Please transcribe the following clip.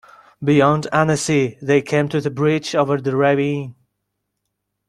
Beyond Annecy, they came to the bridge over the ravine.